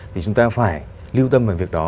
thì chúng ta phải lưu tâm vào việc đó